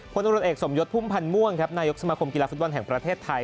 ตำรวจเอกสมยศพุ่มพันธ์ม่วงครับนายกสมาคมกีฬาฟุตบอลแห่งประเทศไทย